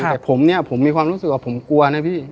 แต่ผมเนี่ยผมมีความรู้สึกว่าผมกลัวนะพี่